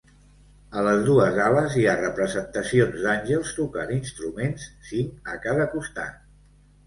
A les dues ales hi ha representacions d'àngels tocant instruments, cinc a cada costat.